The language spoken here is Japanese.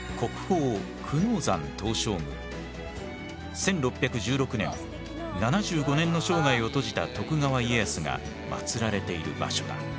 １６１６年７５年の生涯を閉じた徳川家康が祭られている場所だ。